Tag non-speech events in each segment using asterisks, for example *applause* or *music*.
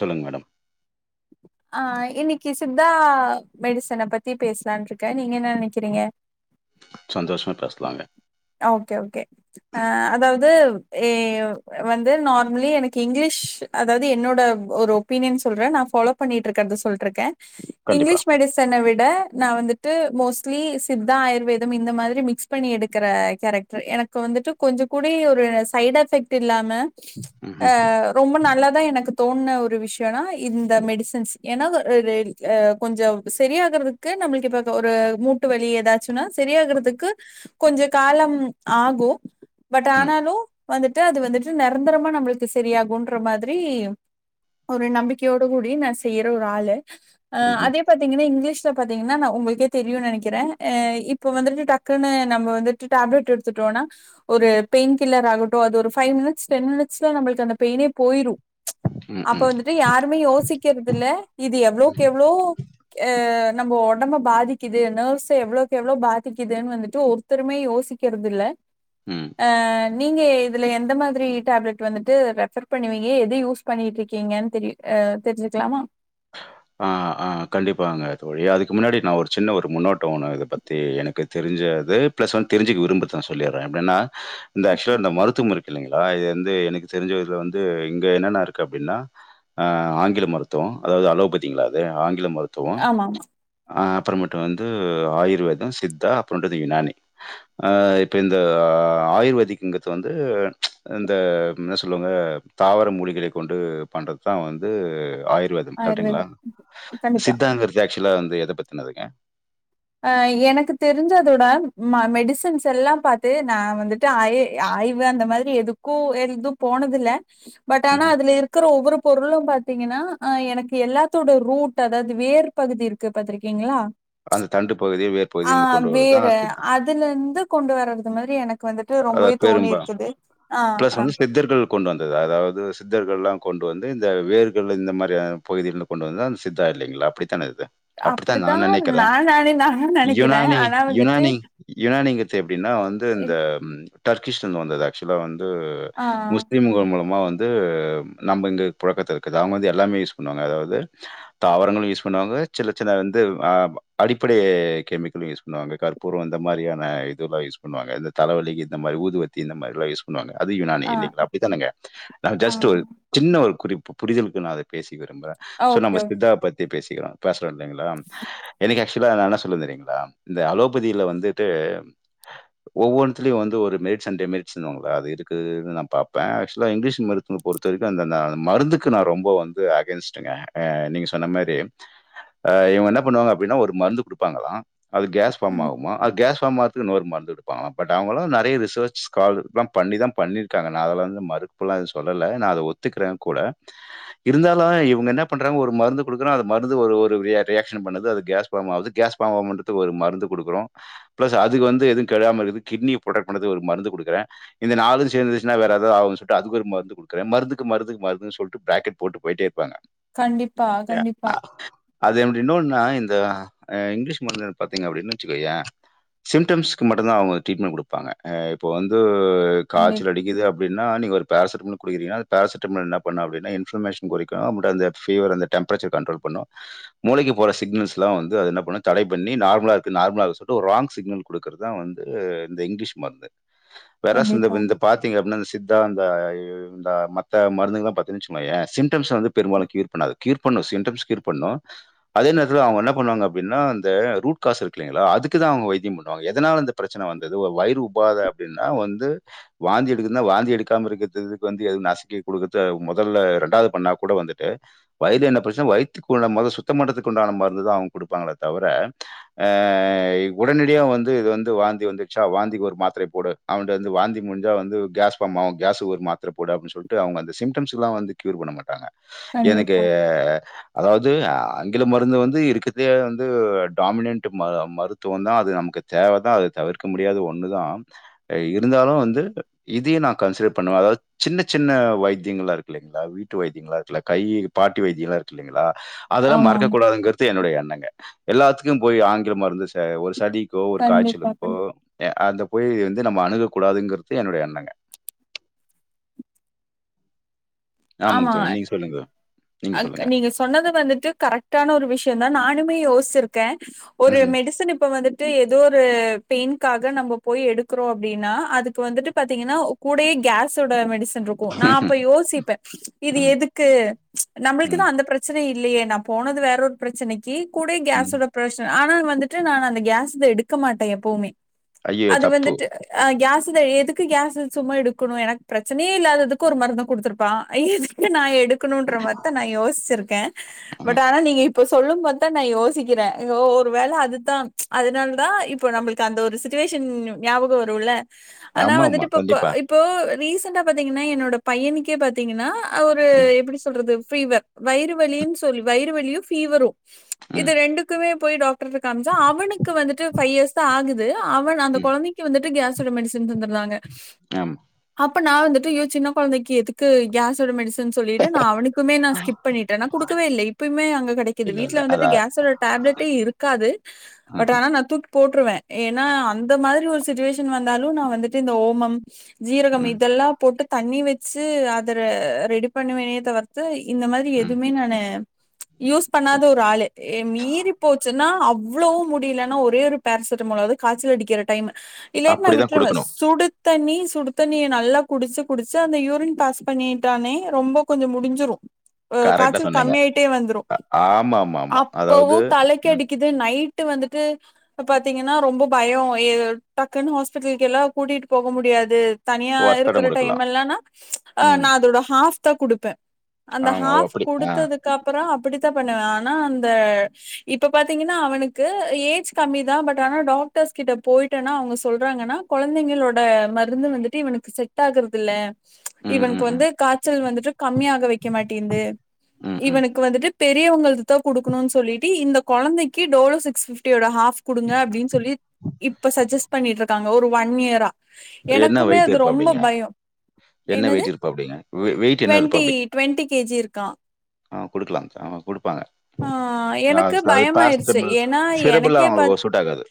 சொல்லுங் மேடம் அஹ் இன்னைக்கு சித்தா மெடிசன பத்தி பேசலான்ட்ருக்கே நீங்க என்னா நெனைக்கிறீங்க சந்தோஷமா பேசலாங்க ஓகே ஓகே ஆ அதாவது ஏ வந்து நார்மலி எனக்கு இங்கிலீஷ் அதாவது என்னோட ஒரு ஒபீனியன் சொல்ற நான் ஃபாலோ பண்ணிட்டு இருக்கறத சொல்ட்ருக்க கண்டிப்பா. இங்க்லிஷ் மெடிசன விட நா வந்துட்டு மோஸ்ட்லி சித்தா ஆயுர்வேதம் இந்த மாதிரி மிக்ஸ் பண்ணி எடுப் க்கற கேரக்டர் எனக்கு வந்துட்டு கொஞ்ச கூடை ஒரு சைடெஃபெக்ட் இல்லாம ம்ஹ்ம். அஹ் ரொம்ப ந நல்லாதா எனக்கு தோன்ன ஒரு விஷயனா இந்த மெடிசன்ஸ் ஏன்னா ஒரு ரு அ கொஞ்ச சரியாகறதுக்கு நம்மளுக்கு இப்பப்ப ஒரு மூட்டு வலி எதாச்சுன்னா சரியாகறதுக்கு கொஞ்ச காலம் ஆகு பட் ம். ஆனாலு வந்துட்டு அது வந்துட்டு நெரந்தரமா நம்மளுக்கு சரியாகுன்ற மாதிரி ஒரு நம்பிக்கையோடு கூடி நா செய்யிற ஒரு ஆளு அ ம்ஹ்ம். அதே பாத்தீங்கன்னா இங்கிலீஷ் இன்ஸ்டா பாத்தீங்ன்னா நா உங்களுக்கே தெரியு நெனைக்கிற அ இப்ப வந்துட்டு டக்குனு நம்ம வந்துட்டு டேப்லெட் எடுத்துட்டோனா ஒரு பெயின் கில்லராகட்டு அது ஒரு பைவ் மினிட்ஸ் டென் மினிட்ஸ்ல நம்பளுக்கு அந்த பெயினே போயிரு ம். அப்ப ம். வந்துட்டு யாருமே யோசிக் க்கிறதுல இது எவ்ளோக்கெவ்ளோ எ நம்ம ஒடம்ப பாதிக்குது நெவ்ஸ்ஸ எவ்ளோக்கெவ்ளோ பாதிக்குதுன்னு வந்துட்டு ஒ த்தருமே யோசிக்கிறதில்ல ம். ஆ நீங்க இதுல எந்த மாதிரி டேப்லெட் வந்துட்டு ரெஃபர் பண்ணுவீங்க எது யூஸ் பண்ணிட்ருக்கீங்கன் தெரியு அ தெரிஞ்சுக்லாமா ஆஹ் ஆஹ் கண்டிப்பாங்க தோழி அதுக்கு முன்னாடி நா ஒரு சின்ன ஒரு முன்னோட்ட ஒன்னு இத பத்தி எனக்கு தெரிஞ்சது பிளஸ் ஒன் தெரிஞ்சுக்க விரும்புறது நா சொல்லிட்ற எப்டின்னா இந்த ஆக்சுவல் இந்த மருத்துவமிருக் இல்லைங்களா இது வந்து எனக்கு தெரிஞ்சதுல வந்து இங்க என்னென்ன இருக்கு அப்டின்னா அ ஆங்கில மருத்துவ அதாவது அலோபத் திங்களாது ஆங் கில மருத்துவோ ஆமா, ஆமா. ஆஹ அப்புறமட்டு வந்து ஆயுர்வேத சித்தா அப்புறன்டது யுனானி ஆ இப்போ இந்த ஆயுர்வேதிக்குங்கது வந்து சஅந்த என்ன சொல்லுவாங்க தாவர மூலிகளை கொண்டு பண்றதா வந்து ஆயுர்வேதம் கரெட்டுங்ளா கண்டிப்பா. சித்தாங்கறது எக் சுலா வந்து எத பத்தினதுங்க அஹ் எனக்கு தெரிஞ்சதோட ம மெடிசன்ஸ் எல்லா பாத்து நா வந்துட்டு ஆய ஆய்வு அந்த மாரி எதுக்கு எதும் போனதில்ல பட் ஆனா ம்ஹ்ம். அதுல இருக்கற ஒவ்வொரு பொருளும் பாத்தீங்கன்னா அஹ் எனக்கு எல்லாத்தோட ரூட் ஆதாது வேர் பகுதிருக்கு பாத்திருக்கீங்ளா அந்த தண்டு பகுதி, வேர் பகுதியிலருந்து ஆஹ் கொண்டு வரது வேர தான் சித்தா. அதுலந்து கொண்டு வர்றது மாதிரி எனக் வந்துட்டு ரொம்பவே அதாவது பெரும்பா தோணிருக்குது ஆஹ் ஆ தது அதாவது சித்தர்கள்லா கொண்டு வந்து இந்த வேர்கள் இந்த மாரியா பகுதிலருந்து கொண்டு வந்ததுதா சித்தா இல்லைங்ளா அப்படி த்தான இது அப்டித்தா நா நா நெனைக்கிறேன் நானே நானு நெனைக்கிறே யுனானி ஆனா வந்துட்டு யுனானி யுனானிங்கறது எப்டின்னா வந்து இந்த டர்க்கிஷ்லருந்து வந்தது ஆக்சுலா வந் து ஆ முஸ்லீம்கள் மூலமா வந்து நம்ப இங்க புழக்கத்தருக்குது அவங்க வந்து எல்லாமே யூஸ் பண்ணுவாங்க அதாவது தாவரங்களு யூஸ் பண்ணுவாங்க சின்ன சின்ன வந்து ஆப் அடிப்படை கெமிக்கலு யூஸ் பண்ணுவாங்க கற்பூரோ அந்த மாரியான இதுல்லா யூஸ் பண்ணுவாங்க தலவலிக்கி இந்த மாரி ஊதுவத்தி இந்த மார்லா யூஸ் பண்ணுவாங்க அது யுனானி ஆ இல்லிங்ளா அப்டிதானங்க நா ஆ ஜஸ்ட்டு ஒரு சின்ன ஒரு குறிப்பு புரிதல்க்கு நா அத பேச விரும்புற சோ ஓகே நம்ம சித்தா பத்தி பேசு கிலா பேசுறோ இல்லைங்ளா எனிக் ஆக்சுலா நா என்ன சொல்லந் தெரியுங்ளா இந்த அலோபதியில வந்துட்டு ஒவ்வொனுத்ல்யு வந்து ஒரு மேட் சண்டே *unintelligible* அது இருக்குதுனு நா பாப்பே ஆக்சுலா இங்க்லிஷ் மருத்துவ பொறுத்தவரைக்கு அந்த நா மருந்துக்கு நா ரொம்போ வந்து அகைன்ஸ்ட்ங்க அ நீங்க சொன்ன மாரி ஆஹ் இவங்க என்ன பண்ணுவாங்க அப்டினா ஒரு மருந்து குடுப்பாங்களா அது கேஸ் ஃபாம் ஓகே ஆகுமா அது கேஸ் த மாத்துக்கு ன்நோர் மர்ந்து பட் அவஙளு நறைய ரிசச் கால் லாம் பண்ணிதாம் பண்ணிர்க்காங்க நா அதலா வந்து மறுப்புலா எத் சொல்லல நா அத ஒத்துக்றேன் கூட இருந்தாலு இவங்க என்ன பண்றாங்க ஒரு மருந்து குடுக்குறான் அத மருந்து ஒரு ஒரு ரிய ரியாக்ஷனும் பண்ணுது அது கேஸ் ஃபாம் ஆவுது கேஸ் ஃபாம் ஆவுமுன்ருதுக்கு ஒரு மருந்து குடுக்குறோ ப்லஸ் அது வந்து எது கெடாமகது கிட்னிய ப்ரொடெக்ட் பன்றத்துக்கு ஒரு மருந்து குடுக்குறே இந்த நாலு சேந்துர்ச்னா வேற ஏதோ ஆவுன் சொல்ட்டு அதுக்கொரு மர்ந்து குடுக்கறே மருந்துக்கு மருந்துக்கு மருந்து சொல்ட்டு பேக்கெட் போட்டு போய்ட்டே ர்ப்பாங்க கண்டிப்பா கண்டிப்பா அது எப்டி இனோன்னா இந்த இங்க்லிஷ் மருந்து பாத்தீங்க அப்டின்னு வச்சுக்கோயேன் சிம்டம்ஸ் க்கு மட்டுந்தா அவங்க ட்ரீட்மெண் குடுப்பாங்க ஏ இப்போ வந்து கண்டிப் காச்சல் அடிக்கிது அப்டின்னா நீங்க ஒரு பேர்சடமல் குடிக்றீனா அந்ந பேர்சடமல் ன்ன பண்ணு அப்டின்னா இன்ஃபோமேஷன் கொறைக்கு பட் அந்த ஃபீவர் அந்த டெம்ப்ரேச்சர் கன்ட்ரோல் பண்ணு மூளைக்கி போற சிக்னல்ஸ்லா வந்து அது ன்ன பண்ணு தட பண்ணி நார்ம்லார்க்கு நார்ம்லாகு ஒர் ராங்க் சிக்னல் குடு க்கறதான் வந்து இந்த இங்கிலீஷ் மர்ந்து வேறஸ் கண்டிப்பா இந்தப் இந்த பாத்தீங்க அப்ட்னா ந்தசித்தா ந்த மத்த மருந்துங்ளா பாத்தினு வெச்கோயே சிம்டம்ஸ் வந்து பெரும்பாலு க்யூர் பன்னாது க்யூர் பண்ணு சிடம்ஸ் க்யூர் பண்ணு அதே நேர்த்துல அவ்ங் என்ன பண்ணுவாங்க அப்டின்னா ந்த ரூட்காஸ் இர்க்லிங்ளா அதுக்கு தா அவங்க வைத்தியம் பன் எதனால ந்த ப்ரச்சன வந்துது வயிறு உப்பாத அப்டின்னா வந்து வாந்தி எடுகுதுனா வாந்தி எடுக்காமருக்கதுக்கு வந்து எது நஸ்க்கி குடுக்கத்து மொதல்ல ரெண்டாவ்து பண்ணா கூட வந்துட்டு வய்து என்ன ப்ரச்சன வைத்துக்குள் நம்மொத சுத்தம்பண்றதுக்குண்டான மர்ந்து தா அவ்ங் குடுப்பாங்ளே தவர ஏ உடனடியா வந் இது வந்து வாந்தி வந்துச்சா வாந்திக் ஒரு மாத்ரை போடு அவன்டர்ந்து வாந்தி முன்ஞ்சா வந்து கேஸ் ஃபார்ம் ஆகு கேஸ் கொர் மாத்ர போடு அப்ன் சொல்ட்டு அவங்க அந்த சிம்டம்ஸ்க்லா வந்து க்யூர் பண்ண மாட்டாங்க எனக்கு கண்டிப்பா அதாவ்து ஆங்கில மருந்து வந்து இருக்கதே வந்து டாமினன்ட் ம மருத்துவந் தா அது நமக்கு தேவதா அது தவிர்க்க முடியாத ஒன்னுதான் இருந்தாலு வந்து இத்யே நா கன்சிடர் பண்ணுவே அதாவ்து சின்னச் சின்ன வைத்தியங்களா இருக்கு இல்லைங்ளா வீட்டு வைத்தியங்களா இருக்குல்ல கை பாட்டி வைத்தியலா இருக்கு இல்லைங்களா அதெல்லா ஆமா மறக்கக்கூடாதுங்கறது என்னுடைய என் னங்க எல்லாத்துக்கும் போய் ஆங்கில மருந்து ச ஒரு சலிக்கோ கண்டிப்பா காய்ச்சலுக்கோ கண்டிப் ஏ அந்த போய் வந்து நம்ம அணுக கூடாதுங்கற்து என்னுடைய எண்ணங்க ஆமாங்க தோழி நீங்க சொல்லுங்க அ நீங்க சொன்னது வந்துட்டு கரெக்டான ஒரு விஷ்யந்தா நானுமே யோசி சிருக்கேன் ஒரு ம்ஹ்ம். மெடிசன் இப்ப வந்துட்டு ஏதோ ஒரு பெயினக்காக நம்ம போய் எடுக்குறோம் அப்படின்னா அதுக்கு வந்துட்டு பாத்தீங்கன்னா கூட யே கேஸ்ஸோட மெடிசின் டுத்துனருக்கோம் நான் அப்ப யோசிப்பேன் இது ம். எதுக்கு ம். நம்ளுக்குதான் அந்த பிரச்சனை இல்லையே நான் போனது வேற ஒரு பிரச்சனைக்கு கூட ம். கஸ்ஸோட பிரஸ்ஸர் ஆனால் வந்துட்டு நான் அந்த கேஸ் இத எடுக்க மாட்டேன் எப்பவுமே ஐயோ! அது தப்பு. வந்துட்டு கியாஸ் எதுக்கு கேஸ்து சும்மா எடுக்கணும் எனக்கு பிரச்சனையே இல்லாததுக்கு ஒரு மருந்த கொடுடுத்தருப்பான் எதுக்கு நான் எடுக்கணும் கேன் பட் ம். ஆனா நீங்க இப் இப்போ சொல்லும்போது தான் நான் யோசிக்கிறேன் ஓ ஒரு வேளை அதுதான் அதனால தான் இப்போது நம்மளுக்கு அந்த ஒரு சிச்சுவேஷன் ஞாபகம் வரும்ல ஆனா ஆமாமா. வந்துட்டு இப்ப கண்டிப்பா. இப்போ நீ ரீசன்டா பாத்தீங்கன்னா என்னோட பையனுக்கே பாத்தீங்கன்னா ஒரு ம். எப்டி சொல் றது ஃபீவர் வயிறு வலியின்னு சொல் வயிறு வலியு ஃபீவரு இது ம். ரெண்டுக்குமே போய் டாக் டர்ட்ட காம்ச்சா அவனுக்கு வந்துட்டு ஃபைவ் இயர்ஸ் தா ஆகுது அவன் அந்த ம். கொழந்தைக்கு வந்துட்டு கேஸ் மெடிசன் தந்திர்றாங்க ஆமா. அப் அப்ப நா வந்துட்டு ஐயோ சின்ன கொழந்தைக்கு எதுக்கு கேஸோட மெடிசன் து நா அவனுக்குமே நா ஸ்கிப் பண்ணிட்டே நா குடுக்கவே இல்ல இப்பயுமே அங்க கடைக்குது இல்ல, வீட்ல இல்ல. வந்துட்டு அதான் கேஸோட டாப்லட்டே இருக்காது பட் ம்ஹ்ம். ஆனா நா தூக்கி போட் ருவே ஏன்னா அந்த மாதிரி ஒரு சிச்சுவேஷன் வந்தாலும் நான் வந்துட்டு இந்த ஓமம் ஜீரகம் ம். ம். இதெல்லாம் போட்டு தண்ணி வச் சு அத ரெடி பண்ணுவேனே தவிர்த்து இந்த மாதிரி ம். எதுமே நானு யூஸ் பண்ணாத ஒரு ஆளு மீறி போச்சுன்னா அவ்வளவு முடியலன்னா ஒரே ஒரு பேரசிட்டமால் அது காய்ச்சல் அடிக்கிற டைமு இல்லாட்டி நான் அப்படிதான் விட்ருவே குடுக்கணும். சுடு தண்ணி சுடு தண்ணிய நல்லா குடிச்சு குடிச்சு அந்த யூரின் பாஸ் பண்ணிட்டானே ரொம்போ கொஞ்ச முடிஞ்சிரு கரெக்ட்டா காய்ச்சல் சொன்னீங்க. கம்மியாயிட்டே வந்துரு அ ஆமாமாமா. அப்பவு அதாவது தலைக்கு ம். அடிக்குது நைட் ட்டு வந்துட்டு பாத்தீங்கன்னா ரொம்ப பயோ எ டக்குன்னு ஹாஸ்பிட்டலுக்கு எல்லா கூட்டிட்டு போக முடியாது தனியா ஒத்தடம் இருக்கற டைம் குடுக்கலாம். எல்லானா ஹ ம். நா அதோட ஹாஃப் ஒத்த குடு அந்த ஆமா. ஓ! ஹாஃப் அப்படி. ஆ. குடுத்ததுக்கு அப்புறோ அப்படித்தா பண்ணுவே ஆனா அந்த இப்ப பாத்தீங்கன்னா அவனுக்கு ஏஜ் கம்மி தா பட் ஆனா டாக்டர்ஸ் கிட்ட போயிட்டேனா அவுங்க சொல்றாங்கன்னா கொழந்தைங்களோட மருந்து வந்துட்டு இவனுக்கு செட் ஆகுறது இல்ல ம், இவனுக்கு ம், ம். வந்து காய்ச்சல் வந்துட்டு கம்மியாக வைக்க மாட்டேந்து ம், ம். இவனுக்கு வந்துட்டு பெரியவங்களுதுதான் குடுக்கணுன் சொல்லிட்டு இந்த கொழந்தைக்கு டோலோ சிக்ஸ் பிஃப்டியோட ஹாஃப் கொடுங்க அப்டின் சொல்லி இப்ப சஜெஸ்ட் பண்ணிட்டு இருக்கா ஒரு ஒன் இயரா என்ன எனக்குமே வெயிட் அது ரொம்ப இருப்பாப்டிங்க பயோ என்ன என்னது வெயிட் இருப்பாப்டிங்க வெ வெயிட் என்ன டுவெண்டி டுவெண்ட்டி கேஜி இருக் கா ஆஹ் குடுக்கலாம் சார் ஆமா கொடு ஆஹ் எனக்கு பயம் ஆயிருச்சு பேராசிட்டமால், ஏன்னா சிரபுலாம் எனக்கே பத் அவங்களுக்கு சூட் ஆகாது.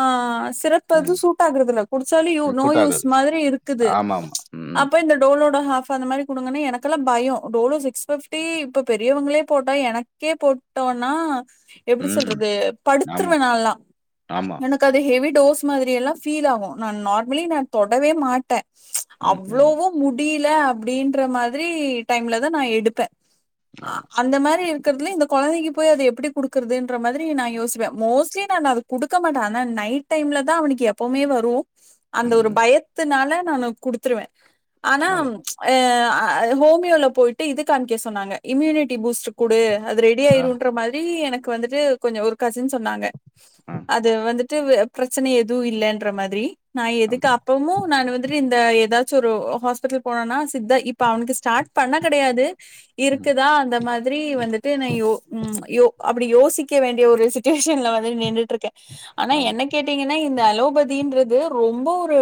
ஆஹ் சிரப்பு எது ம். சூட் ஆக்குறது இல்ல குடிச்சாலும் நோ சூட் யூஸ் ஆகாது. மாதிரி இருக்குது ஆமாமா. ம். அப்ப இந்த டோலோட ஹ அந்த மாரி கொடுங்கன்ன எனக்குல்லாம் பய்யோ டோல சிக்ஸ் பிஃப்டி இப்ப பெரியவங்களே போட்டா எனக்கு க்கே போட்டோனா எப்டி ம். ம். சொல்றது ஆமா. படுத்துருவேனால்லா ஆமா. எனக்கு அது ஹெவி டோஸ் மாதிரி எல்லா ஃபீல் ஆகும் நான் நார்மலி நான் தொடவே மாட்டே ம்ச் ம், ம். அவ்ளவோ முடி புரியல அப்டின்ற மாதிரி டைம்ல தா நா எடுப்பேன் அ ஆமா. அந்த மாரி இந்த கொழந்தைக்கு போய் அது எப்டி குடுக்கறதுன்ற மாதிரி நா யோசிப்ப மொஸ்லீ நா நான் அது குடுக்க மாட்டேன் ஆன நைட் டைம்ல அவனுக்கு எப்பவுமே வரும் ம். அந்த ஒரு ம். பயத்தினால நான்ல குடுத்துருவேன் ஆனா அதான். ம்ச் ஆ அது ஹோமியோல போயிட்டு இது காம்க சொன்னாங்க இம்யூனிட்டி பூஸ்ட்டு கூடு அது ரெடி ஆ, ஆயிரும்ன்ற மாதிரி எனக் வந்துட்டு கொஞ்சம ஒர்க் கசின் சொன்னாங்க ஆ, அது வந்துட்டு பிரச்சன எதுவும் இல்லன்ற மாதிரி நான் எதுக்கு ஆமா. அப்பமும் நான் வந்துட்டு இந்த ஏதாச்சும் ஒரு ஹாஸ்பிட்டல் போனனா சித்த இப்ப அவனுக்கு ஸ்டார்ட் பண்ண கெடையாது ம். இருக்குதான் அந்த மாதி மாதிரி வந்துட்டு என் யோ உம் யோ அப்படி யோசிக்க வேண்டிய ஒரு சுட்டுவேஷன்ல வந்து நின்னுட்டு இருக்கேன் ஆனா ஆமா. என்ன கேட்டீங்கன்னா இந்த அ அலோபதின்றது ரொம்ப ஒரு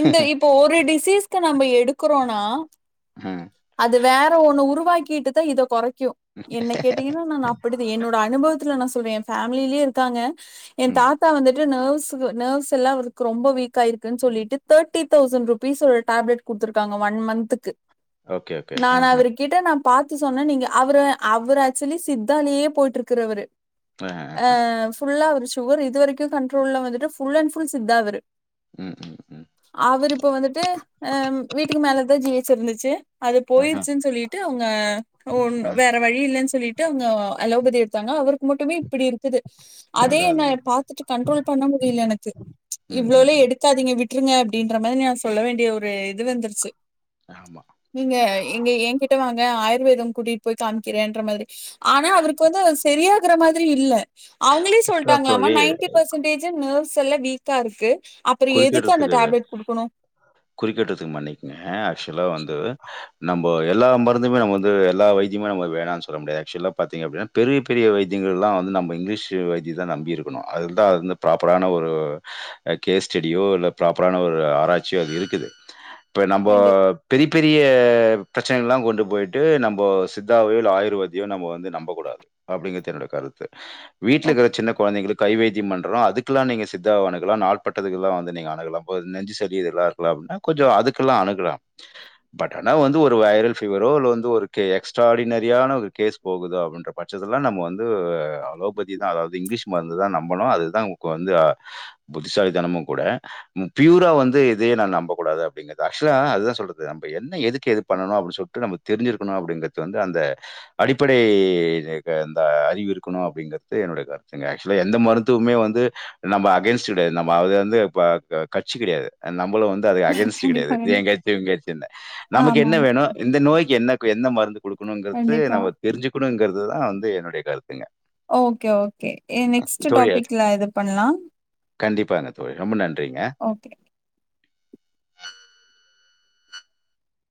இந்த இப்போ ஒரு டிஸ் சீஸ்க நம்ம எடு கிறோம்னா ம். அது வேற ஒன்னு உருவாக் கிட்டுதான் இதோ கொறை க்யோ என்ன கேட்டீங்கன்னா நான் அப்படித்தான் என்னோட அனுபவத் த்ல நா சொல்வே ஏ ஃபேமிலிலே இருக்காங்க ஏ ம். தாத்தா வந்துட்டு நர்வ்ஸுக்கு நர்வாஸல்லா அவ்ருக்கு ரொம்ப வீக்காயிருக்குன் சொல்லிட்டு தேர்ட்டி தௌசன்ட் ருபீஸோட டேப்லெட் குடுத்திருக்காங்க ஒன் மந்த்துக்கு ஓகே, ஓகே. ஆஹ. நானவரு கிட்ட நா பாத்து சொன்னே நீங்க அவரு அவர் ஆக்சுலி சித்தாலேயே போயிட்ருக்கிறவரு ஆஹ, அ ஆஹ. ஃபுல்லா ஒரு ஷுகர் இதுவரைக்கூ கண்ட்ரோல்ல வந்துட்டு ஃபுல் அண்ட் ஃபுல் சித்தா அவரு ம், ம், ம். அவர் இப்ப வந்துட்டு ஆ வீட்டுக்கு மேலதா ஜி சர்ந்துச்சு அது ஆஹ. போயிருச்சுன் சொல்லிட்டு அவுங்க ஒன் ஆ. வேற வழி இல்லன் சொல்லிட்டு அவுங்க அலோபதி எடுத்தாங்க அவருக்கு மட்டுமே இப்டி இருக்குது அதே அதான், என்ன அதான். பாத்துட்டு கண்ட்ரோல் பண்ண முடில எனக்கு ம், ம், இவ்ளோலே ம். எடுக்காதீங்க விட் ட்ருங்க அப்படின்ற மாரி நா சொல்ல வேண்டிய ஒரு இது வந்துருச்சு ஆமா. நீங்க எங்க ஏங்கிட்ட வாங் க ஆயுர்வேதம் கூட்டிட்டு போய் காமிக்கிறேன்ற மாரி ஆனா அவ்ருக்கு வந்து சரியாகற மாத்ரி இல்ல அவங்களே அக்கா சொல்லிட்டாங்ளாமா தோழி, நைன்டி பர்சன்டேஜ் நர்வ்ஸ் ஸெல்ல வீக்காருக்கு குறிகட்டுறதுக்கு குறிகட்டுறதுக்கு மன்னிக்குங்க ஆக்சுவலா வந்து நம்ப எல்லா மருந்துமே நம்ம வந்து எல்லா வைத்தியமூ நம்ம வேணானு சொல்ல முடியாது ஆக்சுவலா பாத்தீங்க அப்டின்னா பெரிய பெரிய வைத்தியங்கள்லா வந்து நம்ம இங்க்லீஷ் வைத்திய தா நம்பி இருக்கணூ அதது தா அது வந்து ப்ராப்பரான ஒரு கேஸ்டடியோ இல்ல ப்ராப்பரான ஒரு ஆராய்ச்சியோ அது இருக்குது இப்போ நம்போ கண்டிப் பெரி பெரிய ப்ரச்னைகள்லா கொண்டு போய்ட்டு நம்போ சித்தாவையோ இல்ல ஆயுர்வேத்தியோ நம்ம வந்து நம்பக்கூடாது அப்டிங்கறது என்னோட கருத்து ஓகே. வீட்லக்குற சின்ன கொழந்தைங்களுக் கைவேதிய பண்றோ அதுக்லா நீங்க சித்தாவ அணுகலா நாள் பட்டதுக்கெல்லா வந்து நீங்க அணுகலா இப்போ நெஞ்சு சளி இதெல்லா இருக்குல்ல அப்ட்னா கொஞ்சொ அதுக்கெல்லா அணுகலா பட் ஆனா வந்து ஒரு வைரல் ஃபீவரோ இல்ல வந்து ஒரு கே எக்ஸ்ட்ராடினரியான ஒரு கேஸ் போகுதோ அப்டின்ற பட்சத்துலதா நம்ம வந்து அலோபதிதா அதாவ்து இங்க்லீஷ் மருந்து தா நம்பணூ அதுதா நமக்கு வந்து அ புத் திசாலி தனமு கூட பியூரா வந்து இதையே நா நம்பக்கூடாது அப்படிங்கறதா ஆக்சுலா அதுதா சொல்றது நம்ப என்ன எதுக்கு இது பண்ணனு அப்டி சொல்ட்டு நமக்கு தெரிஞ்சிருக்கணூ அப்டிங்கறது வந்து அந்த அடிப்படை க இந்த அறிவு இருக்கணு அப்டிங்கறது என்னோட கருத்துங்க ஆக்சுலா எந்த மருத்துவமே வந்து நம்ப அகைன்ஸ்ட் கெடையாது நம்ம அது வந்து ப க கட்சி கெடையாது நம் மளூ வந்து அதுக் அகைன்ஸ்ட் கண்டிப்பா, கெடையாது கண்டிப்பா. ஏங்கட்சி ஏங்கட்சினு நமக்கு என்ன ஆமாமா. வேணு இந்த நோய்க்கு என்ன கு என்ன மருந்து குக்கணுங்கறது கண்டிப்பா. நம்ம தெரிஞ்சுக்கணுங்கற் துதா வந்து என்னுடைய கருத் ஓகே ஓகே எ ம். நெக்ஸ்ட் தோழி டாபிக்ல எது பண்லா கண்டிப்பாங்க தோழி ரொம்ப நன்றிங்க ஓகே.